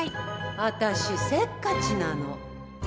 私せっかちなの。